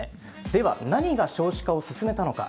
では、何が少子化を進めたのか。